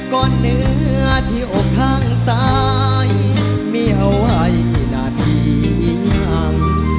ก่อนเหนือที่อกข้างซ้ายมีเอาไว้หน้าทียัง